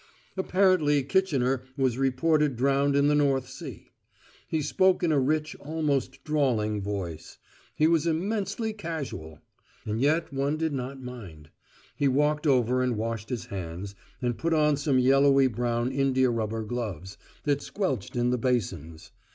Apparently Kitchener was reported drowned in the North Sea: he spoke in a rich, almost drawling voice. He was immensely casual! And yet one did not mind. He walked over and washed his hands, and put on some yellowy brown india rubber gloves that scrooped and squelched in the basins.